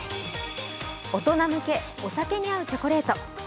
大人向けお酒に合うチョコレート。